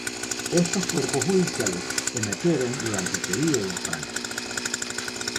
Estos cuerpos judiciales emergieron durante el periodo franco.